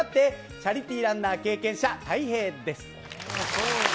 チャリティーランナー経験者、たい平です。